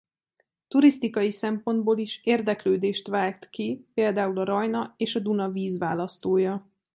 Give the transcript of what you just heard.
Turisztikai szempontból is érdeklődést vált ki például a Rajna és a Duna vízválasztója.